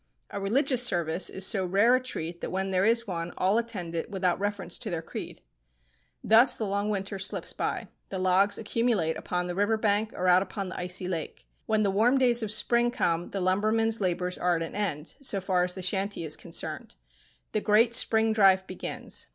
A religious service is so rare a treat that when there is one all attend it without reference to their creed. Thus the long winter slips by. The logs accumulate upon the river bank or out upon the icy lake. When the warm days of spring come the lumberman's labours are at an end, so far as the shanty is concerned. The great spring drive begins.